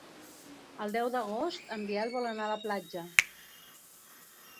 El deu d'agost en Biel vol anar a la platja.